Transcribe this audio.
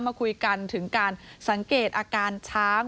มาคุยกันถึงการสังเกตอาการช้าง